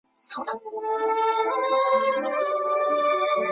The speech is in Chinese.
巴兰钦撞击坑是一个位于水星上的撞击坑。